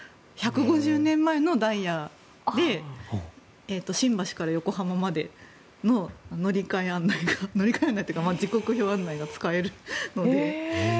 １５０年前のダイヤで新橋から横浜までの乗換案内が乗換案内っていうか時刻表案内が使えるので。